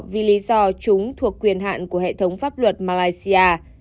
vì lý do chúng thuộc quyền hạn của hệ thống pháp luật malaysia